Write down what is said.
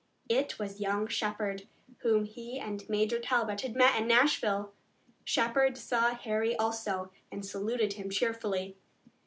It was young Shepard, whom he and Major Talbot had met in Nashville. Shepard saw Harry also, and saluted him cheerfully.